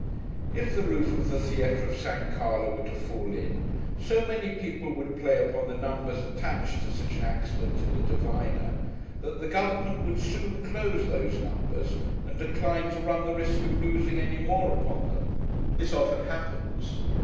If the roof of the theatre of San Carlo were to fall in, so many people would play upon the numbers attached to such an accident in the Diviner, that the Government would soon close those numbers, and decline to run the risk of losing any more upon them. This often happens.